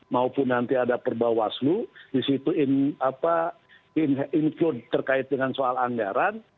maupun nanti ada perbawaslu di situ include terkait dengan soal anggaran